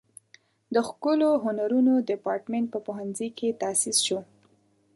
د ښکلو هنرونو دیپارتمنټ په پوهنځي کې تاسیس شو.